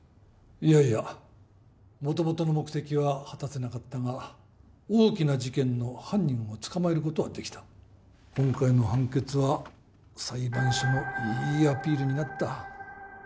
いやいや元々の目的は果たせなかったが大きな事件の犯人を捕まえることはできた今回の判決は裁判所のいいアピールになった